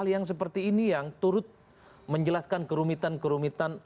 hal yang seperti ini yang turut menjelaskan kerumitan kerumitan